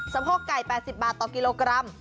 โพกไก่๘๐บาทต่อกิโลกรัม